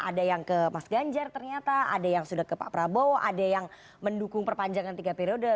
ada yang ke mas ganjar ternyata ada yang sudah ke pak prabowo ada yang mendukung perpanjangan tiga periode